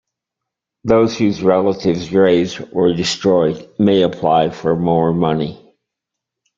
Those whose relatives' graves were destroyed may apply for more money.